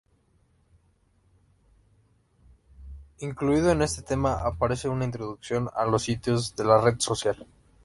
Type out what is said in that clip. Incluido en este tema aparece una introducción a los sitios de la red social.